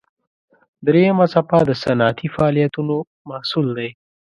دریمه څپه د صنعتي فعالیتونو محصول دی.